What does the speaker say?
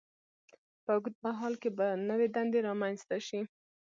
په اوږد مهال کې به نوې دندې رامینځته شي.